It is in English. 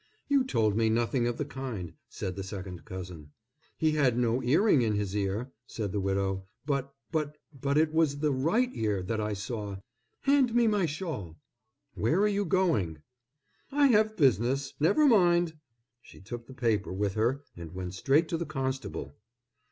"You told me nothing of the kind," said the second cousin. "He had no ear ring in his ear," said the widow—"but—but—but it was the right ear that I saw. Hand me my shawl!" "Where are you going?" "I have business; never mind!" She took the paper with her and went straight to the constable.